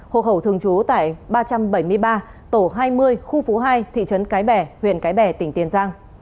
hộ khẩu thường trú tại ba trăm bảy mươi ba tổ hai mươi khu phố hai thị trấn cái bè huyện cái bè tỉnh tiền giang